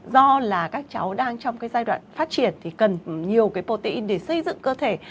do là các cháu đang trong cái giai đoạn phát triển thì cần nhiều cái potin để xây dựng cơ thể